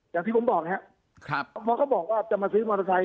อย่างที่ผมบอกนะครับเพราะเขาบอกว่าจะมาซื้อมอเตอร์ไซค